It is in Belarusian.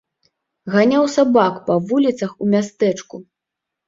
Ганяў сабак па вуліцах у мястэчку.